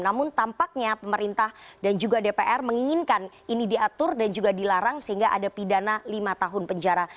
namun tampaknya pemerintah dan juga dpr menginginkan ini diatur dan juga dilarang sehingga ada pidana lima tahun penjara